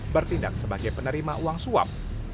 bertindak sebagai penerima uang suap